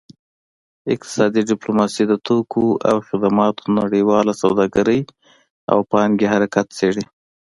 اقتصادي ډیپلوماسي د توکو او خدماتو نړیواله سوداګرۍ او پانګې حرکت څیړي